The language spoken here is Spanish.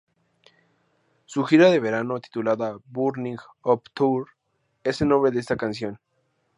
Su gira de verano, titulada "Burning Up Tour", es el nombre de esta canción.